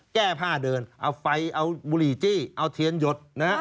แก้ผ้าเดินเอาไฟเอาบุหรี่จี้เอาเทียนหยดนะฮะ